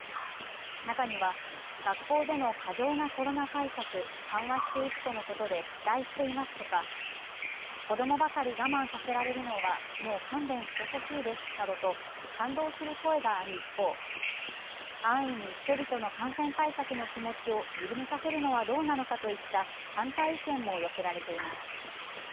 中には学校での過剰なコロナ対策、緩和していくとのことで期待していますとか、子どもばかり我慢させられるのはもう勘弁してほしいです、などと賛同する声がある一方、安易に人々の感染対策の気持ちを緩めさせるのはどうなのかといった反対意見も寄せられています。